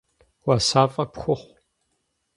Уасафӏэ пхухъу.